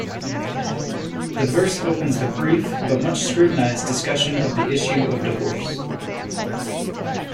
This verse opens the brief, but much scrutinized, discussion of the issue of divorce.